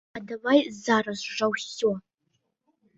Аддавай зараз жа ўсё!